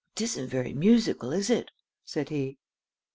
"It isn't very musical, is it?" said he.